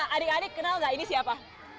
adik adik kenal nggak ini siapa